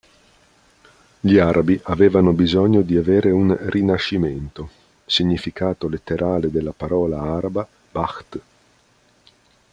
Gli Arabi avevano bisogno di avere un "rinascimento": significato letterale della parola araba "ba‘th".